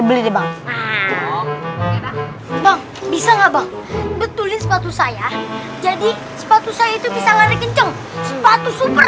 beli deh bang bang bisa nggak bang betulin sepatu saya jadi sepatu saya itu bisa lari kenceng sepatu super